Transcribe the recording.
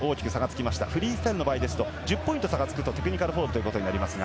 フリースタイルの場合ですと１０ポイント差がつくとテクニカルフォールということになります。